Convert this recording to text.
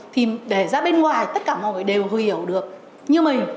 thì để ra bên ngoài tất cả mọi người đều hiểu được như mình